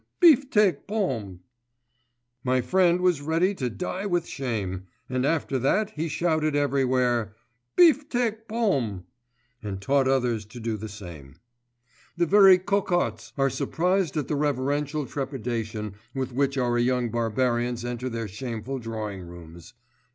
biftek pommes!_ My friend was ready to die with shame, and after that he shouted everywhere, Biftek pommes! and taught others to do the same. The very cocottes are surprised at the reverential trepidation with which our young barbarians enter their shameful drawing rooms.